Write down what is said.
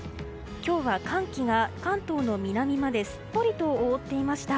今日は寒気が関東の南まですっぽりと覆っていました。